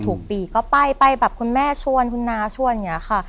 ทุกปีก็ไปไปแบบคุณแม่ชวนคุณน้าชวนอย่างนี้ค่ะ